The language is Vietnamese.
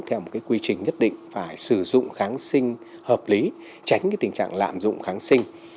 theo một quy trình nhất định phải sử dụng kháng sinh hợp lý tránh tình trạng lạm dụng kháng sinh